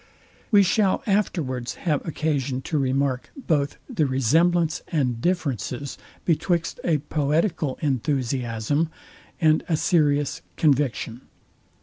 We shall afterwards have occasion to remark both the resemblance and differences betwixt a poetical enthusiasm, and a serious conviction.